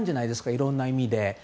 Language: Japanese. いろんな意味で。